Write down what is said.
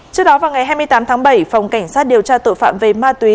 trước đó vào ngày hai mươi tám tháng bảy phòng cảnh sát điều tra tội phạm về ma túy